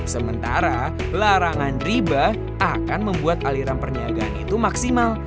sementara larangan riba akan membuat aliran perniagaan itu maksimal